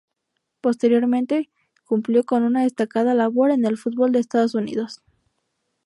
Posteriormente cumplió con una destacada labor en el fútbol de Estados Unidos.